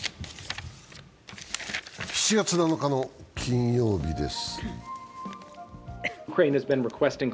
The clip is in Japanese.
７月７日の金曜日です。